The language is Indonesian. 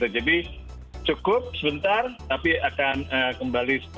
jadi cukup sebentar tapi akan kembali